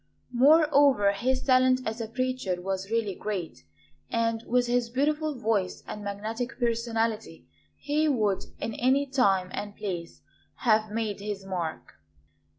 Moreover, his talent as a preacher was really great; and with his beautiful voice and magnetic personality, he would in any time and place have made his mark.